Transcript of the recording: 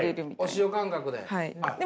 お塩感覚で？